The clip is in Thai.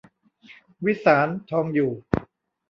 วิสาร ทองอยู่